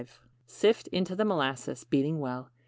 Sift into the molasses, beating well.